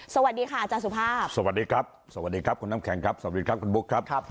สวัสดีค่ะอาจารย์สุภาพสวัสดีครับสวัสดีครับคุณน้ำแข็งครับสวัสดีครับคุณบุ๊คครับ